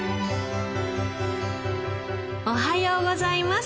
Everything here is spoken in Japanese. おはようございます。